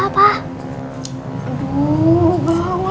apa apaan yang udah diketahui